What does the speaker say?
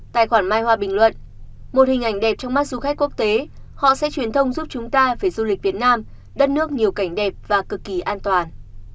tài khoản mai hoa bình luận một hình ảnh đẹp trong mắt du khách quốc tế họ sẽ truyền thông giúp chúng ta về du lịch việt nam đất nước nhiều cảnh đẹp và cực kỳ an toàn